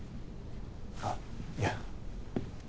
あっいや優